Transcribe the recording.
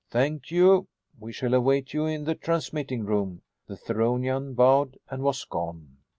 "Thank you. We shall await you in the transmitting room." The Theronian bowed and was gone.